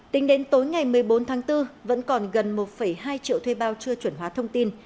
tính đến tối ngày một mươi bốn tháng bốn vẫn còn gần một hai triệu thuê bao chưa chuẩn hóa thông tin